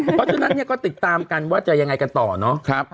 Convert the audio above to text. เพราะฉะนั้นเนี่ยก็ติดตามกันว่าจะยังไงกันต่อเนาะ